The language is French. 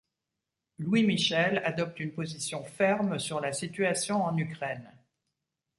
Louis Michel adopte une position ferme sur la situation en Ukraine.